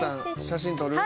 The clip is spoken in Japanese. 写真撮る？